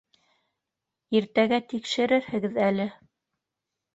Иртәгә тикшертерһегеҙ әле.